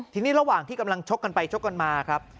ทีนี้ระหว่างที่กำลังชกกันไปชกกันมาครับ